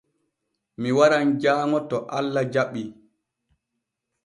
Mi waran jaaŋo to Allah jaɓii.